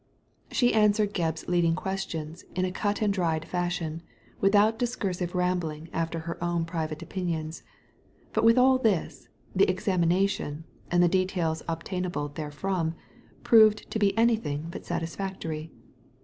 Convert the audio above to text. She answered Gebb's leading questions in a cut and dried fashion, without discursive rambling after her own private opinions: but with all this, the examination, and the details obtainable therefrom, proved to be anything but satisfactory.